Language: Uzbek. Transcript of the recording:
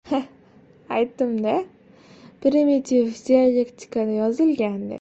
— Ha-a, aytdim-a, primitiv dialektikada yozilgan deb!